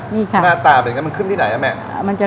นี่ค่ะหน้าตาเป็นอย่างนั้นมันขึ้นที่ไหนนะแม่